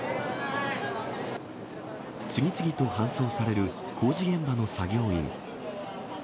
次々と搬送される工事現場の作業員。